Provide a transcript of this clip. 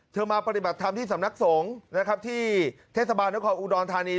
เธอมาปฏิบัติภาคภาพที่สำนักสงฆ์นะครับที่เทศบาลด้วยความอุดรทานี